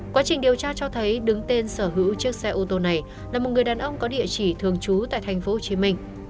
quá trình điều tra cho thấy đứng tên sở hữu chiếc xe ô tô này là một người đàn ông có địa chỉ thường trú tại tp hcm